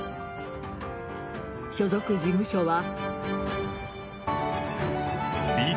所属事務所は。